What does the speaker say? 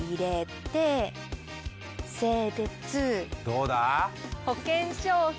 どうだ？